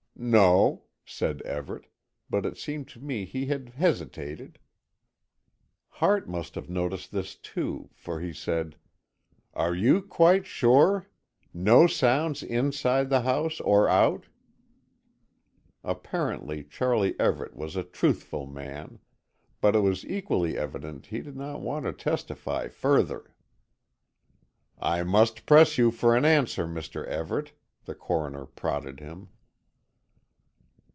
"No," said Everett, but it seemed to me he had hesitated. Hart must have noticed this, too, for he said, "Are you quite sure? No sounds inside the house or out?" Apparently Charlie Everett was a truthful man. But it was equally evident he did not want to testify further. "I must press you for an answer, Mr. Everett," the Coroner prodded him.